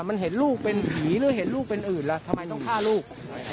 มันเห็นลูกเป็นผีหรือเห็นลูกเป็นอื่นล่ะทำไมต้องฆ่าลูก